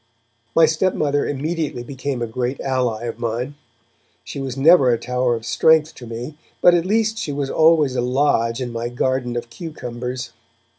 My stepmother immediately became a great ally of mine. She was never a tower of strength to me, but at least she was always a lodge in my garden of cucumbers.